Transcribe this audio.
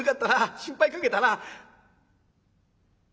心配かけたな。